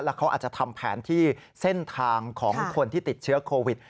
เขาอาจจะทำแผนที่เส้นทางของคนที่ติดเชื้อโควิด